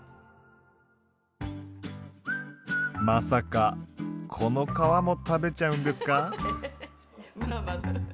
まさかこの皮も食べちゃうんですか？